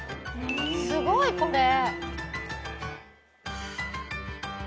すごいこれ。